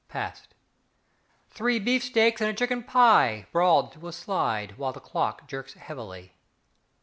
Past!" "Three beef steaks and a chicken pie," Bawled through a slide while the clock jerks heavily.